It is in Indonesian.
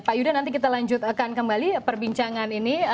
pak yudha nanti kita lanjutkan kembali perbincangan ini